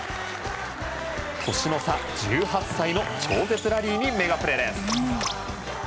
年の差１８歳の超絶ラリーにメガプレです。